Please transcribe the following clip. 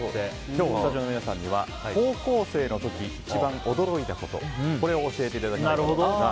今日、スタジオの皆さんには高校生の時一番驚いたことを教えていただこうと思いますが。